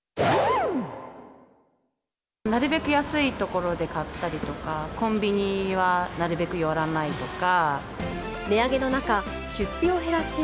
なるべく安いところで買ったりとか、コンビニはなるべく寄らないとか。